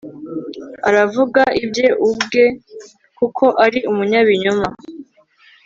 aravuga ibye ubwe kuko ari umunyabinyoma